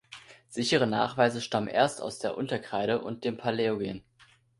Sichere Nachweise stammen erst aus der Unterkreide und dem Paläogen.